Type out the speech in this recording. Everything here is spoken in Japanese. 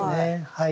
はい。